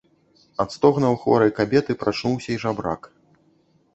Ад стогнаў хворай кабеты прачнуўся і жабрак.